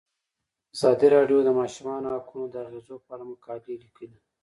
ازادي راډیو د د ماشومانو حقونه د اغیزو په اړه مقالو لیکلي.